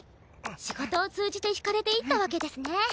仕事を通じて引かれていったわけですね。